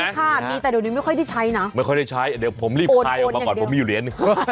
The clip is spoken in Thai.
ใช่ค่ะมีแต่เดี๋ยวนี้ไม่ค่อยได้ใช้นะไม่ค่อยได้ใช้เดี๋ยวผมรีบพายออกมาก่อนผมมีอยู่เหรียญ